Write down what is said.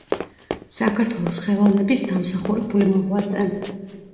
საქართველოს ხელოვნების დამსახურებული მოღვაწე.